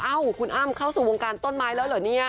คุณอ้ำเข้าสู่วงการต้นไม้แล้วเหรอเนี่ย